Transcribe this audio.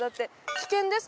危険です！